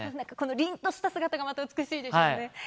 りんとした姿が、また美しいですよね。